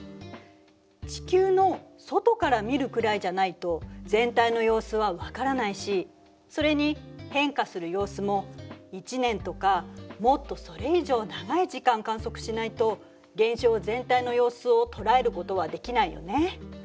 地球の外から見るくらいじゃないと全体の様子は分からないしそれに変化する様子も１年とかもっとそれ以上長い時間観測しないと現象全体の様子を捉えることはできないよね。